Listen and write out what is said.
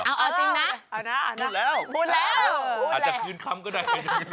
เอาจริงนะเอาหน้าพูดแล้วอาจจะคืนคำก็ได้